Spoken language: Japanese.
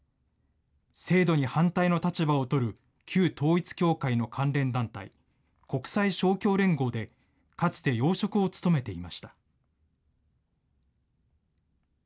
制度に反対の立場を取る旧統一教会の関連団体、国際勝共連合でかつて要職を務めていました。